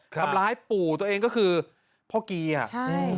ทำร้ายปู่ตัวเองก็คือพ่อกีอ่ะใช่